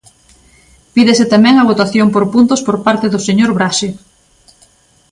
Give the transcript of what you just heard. Pídese tamén a votación por puntos por parte do señor Braxe.